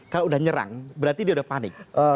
kalau udah nyerang berarti dia udah panik